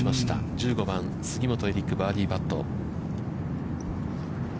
１５番、杉本エリックバーディーパット。